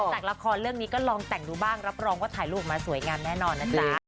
จากละครเรื่องนี้ก็ลองแต่งดูบ้างรับรองว่าถ่ายรูปออกมาสวยงามแน่นอนนะจ๊ะ